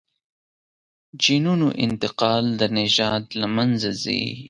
جینونو انتقال د نژاد له منځه ځي.